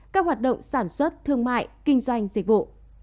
các hoạt động sản xuất thương mại kinh doanh dịch vụ